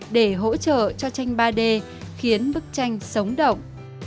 để hỗ trợ cho tranh ba d khiến bức tranh sống động